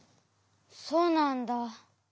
そうなんだ。